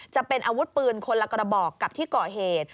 จะเป็นอาวุธปืนคนละกระบอกกับที่ก่อเหตุ